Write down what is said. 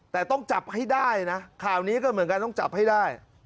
แต่ต้องจับให้ได้นะข่าวนี้ก็เหมือนกันต้องจับให้ได้